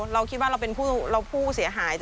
เราคิดว่าเราเป็นผู้เสียหาย